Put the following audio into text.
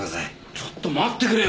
ちょっと待ってくれよ。